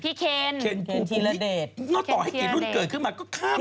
พี่เคนเคนภูมิต่อให้เกดรุ่นเกิดขึ้นมาก็ฆ่าไม่ตายเนอะ